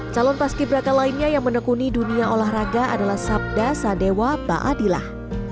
calon paski beraka lainnya yang menekuni dunia olahraga adalah sabda sadewa baadillah